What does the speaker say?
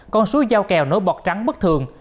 con suối dao kèo nối bọt trắng bất thường